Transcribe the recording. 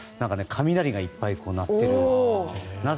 雷がいっぱい鳴っているような。